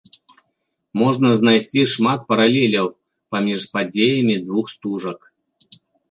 Можна знайсці шмат паралеляў паміж падзеямі двух стужак.